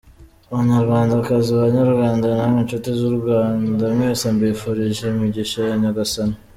Banyarwandakazi, banyarwanda, namwe nshuti z’ u Rwanda mwese mbifurije imigisha ya Nyagasani.